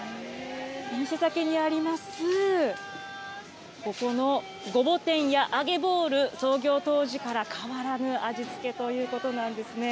店先にあります、ここのごぼ天や揚げボール、創業当時から変わらぬ味付けということなんですね。